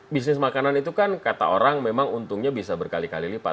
bisnis makanan itu kan kata orang memang untungnya bisa berkali kali lipat